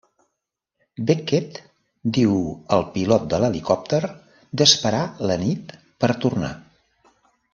Beckett diu al pilot de l'helicòpter d'esperar la nit per tornar.